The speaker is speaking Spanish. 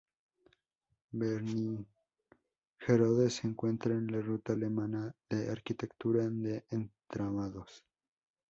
Wernigerode se encuentra en la Ruta alemana de arquitectura de entramados.